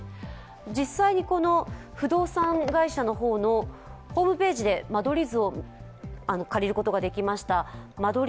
実際に不動産会社のホームページで間取り図を借りることができました。